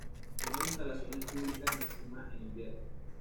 No hay instalaciones públicas en la cima en invierno.